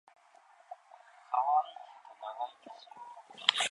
かわいいひと長生きしよ